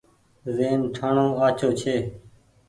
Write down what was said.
زهين ٺآڻو آڇو ڇي۔